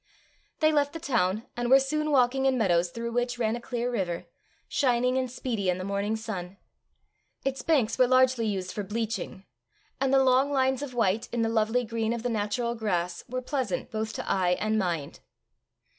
They left the town, and were soon walking in meadows through which ran a clear river, shining and speedy in the morning sun. Its banks were largely used for bleaching, and the long lines of white in the lovely green of the natural grass were pleasant both to eye and mind.